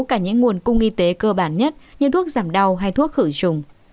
cả những nguồn cung y tế cơ bản nhất như thuốc giảm đau hay thuốc khử trùng